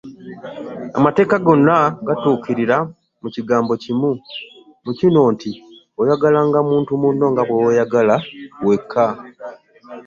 Amateeka gonna gatuukirira mu kigambo kimu, mu kino nti Oyagalanga muntu munno nga bwe weeyagala wekka.